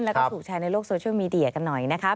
แล้วก็ถูกแชร์ในโลกโซเชียลมีเดียกันหน่อยนะคะ